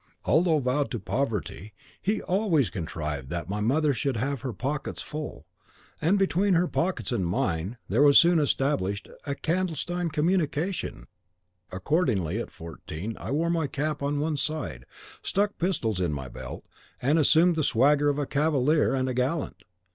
Although vowed to poverty, he always contrived that my mother should have her pockets full; and between her pockets and mine there was soon established a clandestine communication; accordingly, at fourteen, I wore my cap on one side, stuck pistols in my belt, and assumed the swagger of a cavalier and a gallant.